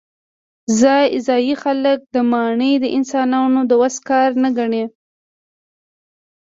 ځايي خلک دا ماڼۍ د انسانانو د وس کار نه ګڼي.